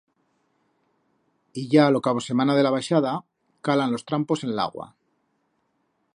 Y ya lo cabo semana de la baixada, calan los trampos en l'agua.